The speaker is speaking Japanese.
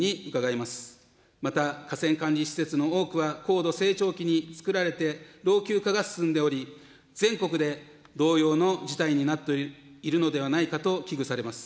また河川管理施設の多くは高度成長期に作られて老朽化が進んでおり、全国で同様の事態になっているのではないかと危惧されます。